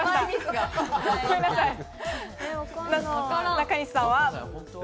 中西さんは？